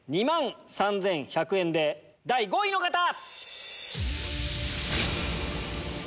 ２万３１００円で第５位の方！